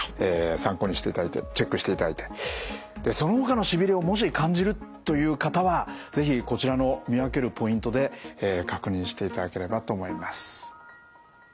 参考にしていただいてチェックしていただいてでそのほかのしびれをもし感じるという方は是非こちらの見分けるポイントで確認していただければと思います。